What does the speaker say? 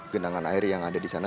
genangan air yang ada di sana